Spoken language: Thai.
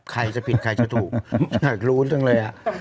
ใครจะผิดใครจะถูกอยากรู้จังเลย